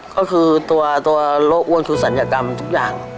ก็คือตัวโรคอ้วนคือศัลยกรรมทุกอย่าง